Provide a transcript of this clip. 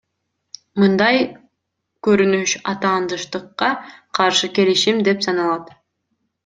Мындай көрүнүш атаандаштыкка каршы келишим деп саналат.